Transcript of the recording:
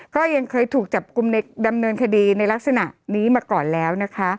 ก็ยังเคยถูกจับกลุ่มในดำเนินคดีในลักษณะนี้มาก่อนแล้วนะคะ